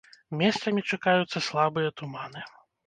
Месцамі чакаюцца слабыя туманы.